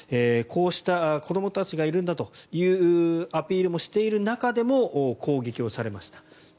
こうした子どもたちがいるんだというアピールをしている中でも攻撃をされました。